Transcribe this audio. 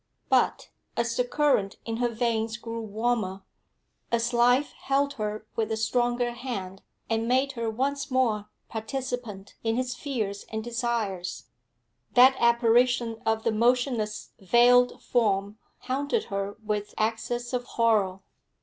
But, as the current in her veins grew warmer, as life held her with a stronger hand and made her once more participant in his fears and desires, that apparition of the motionless veiled form haunted her with access of horror.